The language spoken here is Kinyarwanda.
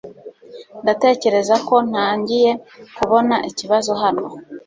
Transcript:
Ndatekereza ko ntangiye kubona ikibazo hano